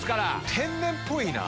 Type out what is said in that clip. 天然っぽいなぁ。